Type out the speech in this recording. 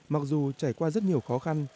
mặc dù trải qua rất nhiều khó khăn